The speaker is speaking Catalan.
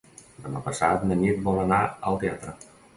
Demà passat na Nit vol anar al teatre.